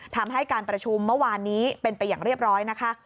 ทำให้การประชุมเมื่อวานนี้เป็นไปอย่างเรียบร้อยนะคะ